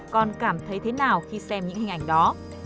con cảm thấy thế nào khi xem những hình ảnh đó